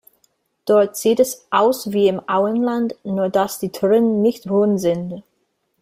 Dort sieht es aus wie im Auenland, nur dass die Türen nicht rund sind.